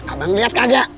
kamu ngeliat kagak